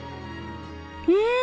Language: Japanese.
うん！